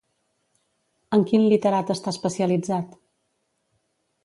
En quin literat està especialitzat?